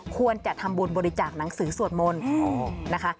ควรจะทำบุญบริจาคหนังสือสวดมนต์นะคะ